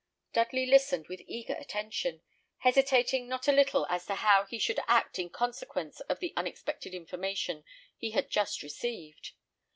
Dudley listened with eager attention, hesitating not a little as to how he should act in consequence of the unexpected information he had just received.